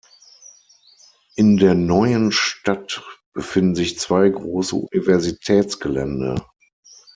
In der neuen Stadt befinden sich zwei große Universitätsgelände.